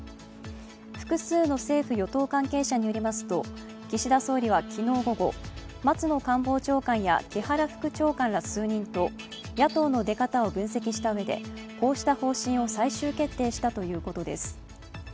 複数の政府・与党関係者によりますと、岸田総理は昨日午後、松野官房長官や木原副長官ら数人と野党の出方を分析したうえでこうした方針を最終決定したということです。